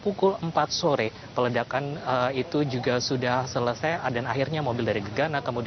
pihak satpol pp kemudian juga pihak puslapfor juga sudah mengamankan dan juga memberikan perimeter yang begitu jauh dari rumah terduga teroris